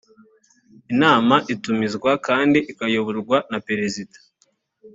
inama itumizwa kandi ikayoborwa na perezida